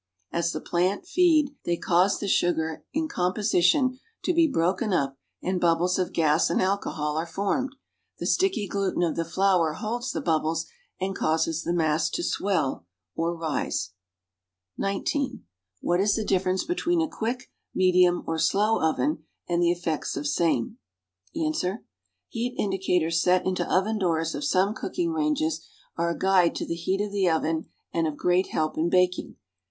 As the plant feed they cause the sugar in composition to be broken up and bubbles of gas and alcohol are formed; the sticky gkiten of the flour holds the bubbles and causes the mass to swell, or rise. (19) What is tlic differeiu e ljet\Yeeii a quick, medium, or slow oven, and the effects of same.^ Ans. Heat indicators set into oven doors of some cooking ranges are a guide to the heat of the oven and of great help in baking.